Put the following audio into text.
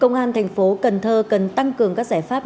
công an thành phố cần thơ cần tăng cường các giải pháp